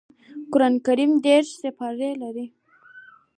قران کريم دېرش سپاري لري